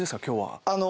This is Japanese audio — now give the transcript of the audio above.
今日は。